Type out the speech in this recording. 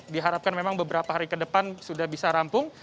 diharapkan memang beberapa hari ke depan sudah bisa rampung